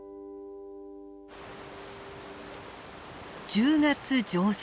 １０月上旬。